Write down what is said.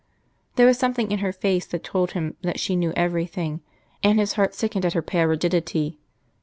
There was something in her face that told him that she knew everything, and his heart sickened at her pale rigidity.